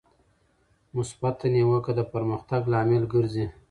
مثبته نیوکه د پرمختګ لامل ګرځي.